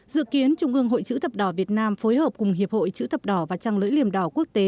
dự kiến trung ương hội chữ thập đỏ việt nam phối hợp cùng hiệp hội chữ thập đỏ và trăng lưỡi liềm đỏ quốc tế